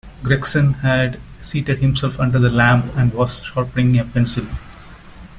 Gregson had seated himself under the lamp and was sharpening a pencil.